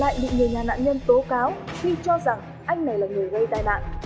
lại bị người nhà nạn nhân tố cáo khi cho rằng anh này là người gây tai nạn